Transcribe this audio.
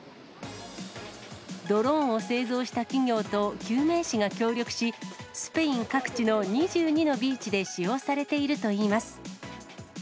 ドローンを製造した企業と救命士が協力し、スペイン各地の２２のビーチで使用されているといいます。